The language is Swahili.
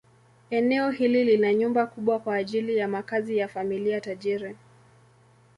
Eneo hili lina nyumba kubwa kwa ajili ya makazi ya familia tajiri.